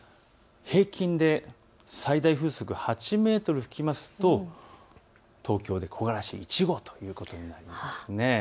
平均で最大風速８メートル吹きますと東京で木枯らし１号ということになります。